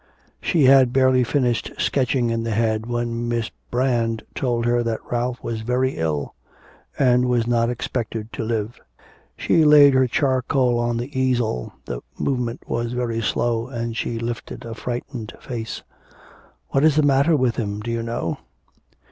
She had barely finished sketching in the head when Miss Brand told her that Ralph was very ill and was not expected to live. She laid her charcoal on the easel, the movement was very slow, and she lifted a frightened face. 'What is the matter with him? Do you know?'